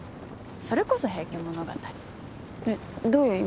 それこそ『平家物語』えっどういう意味？